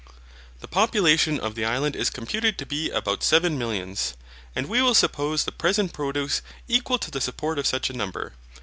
The population of the Island is computed to be about seven millions, and we will suppose the present produce equal to the support of such a number.